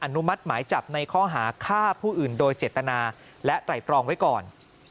นุมัติหมายจับในข้อหาฆ่าผู้อื่นโดยเจตนาและไตรตรองไว้ก่อน